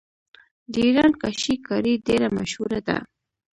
د ایران کاشي کاري ډیره مشهوره ده.